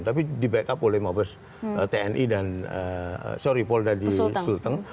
tapi di backup oleh mabes tni dan sorry polda di sulteng